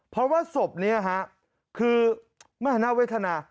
เพราะว่าศพเนี่ยค่ะคือมหนะไนวิธนา